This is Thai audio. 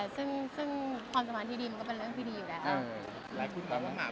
ซึ่งความสัมพันธ์ที่ดีมันก็เป็นเรื่องที่ดีอยู่แล้ว